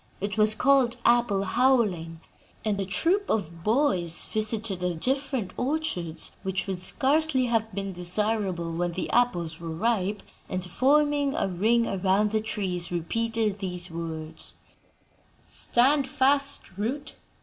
It was called 'Apple Howling,' and a troop of boys visited the different orchards which would scarcely have been desirable when the apples were ripe and, forming a ring around the trees, repeated these words: "'Stand fast, root!